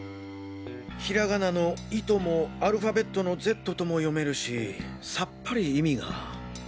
ひらがなの「い」ともアルファベットの「Ｚ」とも読めるしさっぱり意味が。